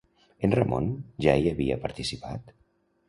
En Ramon ja hi havia participat?